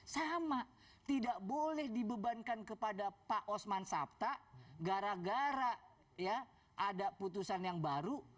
sama tidak boleh dibebankan kepada pak osman sabta gara gara ya ada putusan yang baru